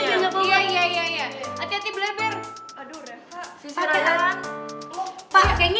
ngerti gak cara jepitnya